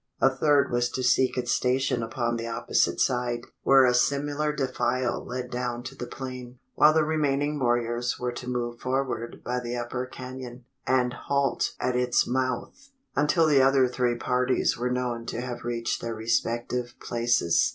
A third was to seek its station upon the opposite side where a similar defile led down to the plain; while the remaining warriors were to move forward by the upper canon, and halt at its mouth until the other three parties were known to have reached their respective places.